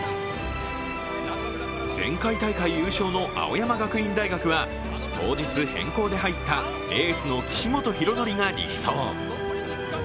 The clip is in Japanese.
前回大会優勝の青山学院大学は当日、変更で入ったエースの岸本大紀が力走。